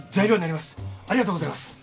ありがとうございます！